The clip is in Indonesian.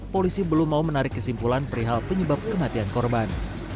polisi belum mau menarik kesimpulan perihal penyebab kematian korban